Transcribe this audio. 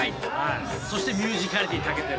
そしてミュージカリティーにたけてる。